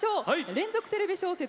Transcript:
連続テレビ小説